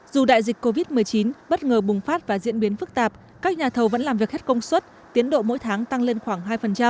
dù đại dịch covid một mươi chín bất ngờ bùng phát và diễn biến phức tạp các nhà thầu vẫn làm việc hết công suất tiến độ mỗi tháng tăng lên khoảng hai